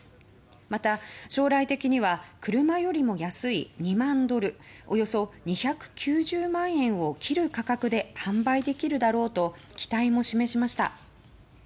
また将来的には、車よりも安い２万ドルおよそ２９０万円を切る価格で販売できるだろうと期待も示しました。